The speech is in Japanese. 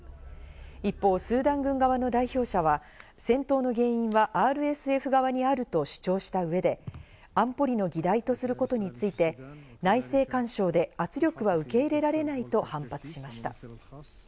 一方、スーダン軍側の代表者は戦闘の原因はＲＳＦ側にあると主張した上で、安保理の議題とすることについて、内政干渉で圧力は受け入れられないと反発しました。